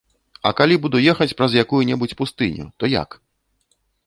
А калі буду ехаць праз якую-небудзь пустыню, то як?